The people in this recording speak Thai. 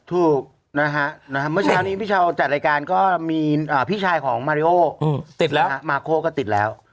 ถูกนะฮะเมื่อเช้านี้พี่เช้าจัดรายการก็มีพี่ชายของมาเรโอติดแล้ว